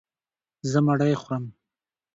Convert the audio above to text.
زه مړۍ خورم.